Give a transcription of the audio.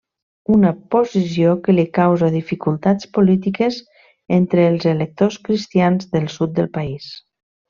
Una posició que li causa dificultats polítiques entre els electors cristians del sud del país.